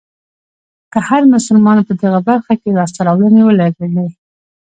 که هر مسلمان په دغه برخه کې لاسته راوړنې ولرلې.